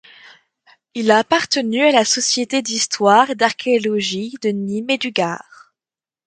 Il a appartenu à la Société d'histoire et d'archéologie de Nîmes et du Gard.